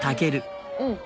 うん。